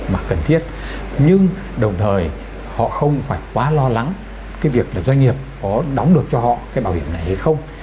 mà cần thiết nhưng đồng thời họ không phải quá lo lắng cái việc là doanh nghiệp có đóng được cho họ cái bảo hiểm này hay không